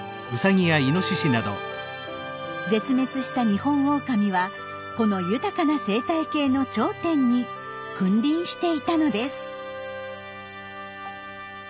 絶滅したニホンオオカミはこの豊かな生態系の頂点に君臨していたのです。